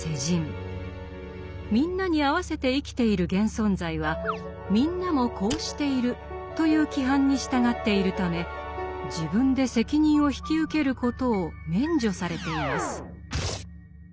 「みんな」に合わせて生きている現存在は「みんなもこうしている」という規範に従っているため自分で責任を引き受けることを免除されています。